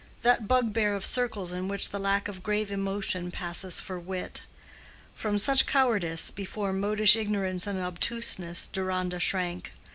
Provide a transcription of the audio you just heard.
—that bugbear of circles in which the lack of grave emotion passes for wit. From such cowardice before modish ignorance and obtuseness, Deronda shrank.